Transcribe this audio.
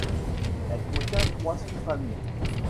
Elle contient trois sous-familles.